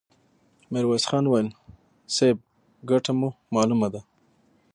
ميرويس خان وويل: صيب! ګټه مو مالومه ده!